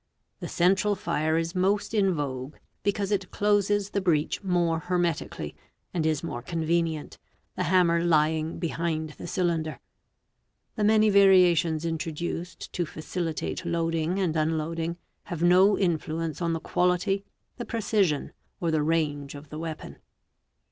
The central fire is most in vogue, because it closes the 5 breech more hermetically, and is more convenient, the hammer lying "behind the cylinder. The many variations introduced to facilitate load 'ing and unloading have no influence on the quality, the precision, or the 'range of the weapon.